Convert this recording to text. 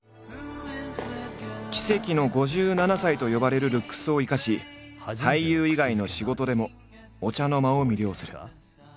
奇跡の５７歳と呼ばれるルックスを生かし俳優以外の仕事でもお茶の間を魅了する。